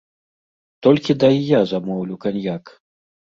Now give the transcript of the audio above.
Толькі дай я замоўлю каньяк.